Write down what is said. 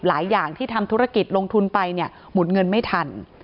อย่างที่ทำธุรกิจลงทุนไปเนี่ยหมุนเงินไม่ทัน